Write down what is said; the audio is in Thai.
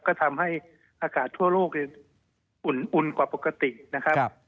ก็ทำให้อากาศทั่วโลกอุ่นกว่าปกตินะครับ